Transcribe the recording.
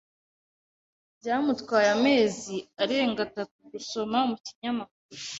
Byamutwaye amezi arenga atatu gusoma mu kinyamakuru.